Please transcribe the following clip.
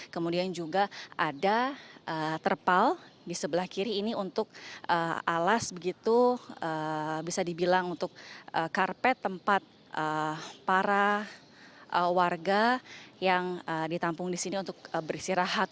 kemudian juga ada terpal di sebelah kiri ini untuk alas begitu bisa dibilang untuk karpet tempat para warga yang ditampung di sini untuk beristirahat